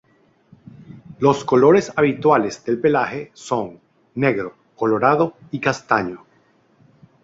Los colores habituales del pelaje son: negro, colorado y castaño.